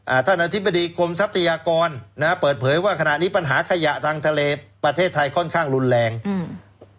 ท่านอธิบดีกรมทรัพยากรนะฮะเปิดเผยว่าขณะนี้ปัญหาขยะทางทะเลประเทศไทยค่อนข้างรุนแรงอืม